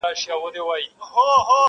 هره ورځ به يې د شپې لور ته تلوار وو!!